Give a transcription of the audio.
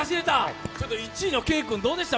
１位のＫ君どうでした？